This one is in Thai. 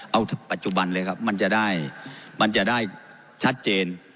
เอาปัจจุบันเลยครับมันจะได้ชัดเจน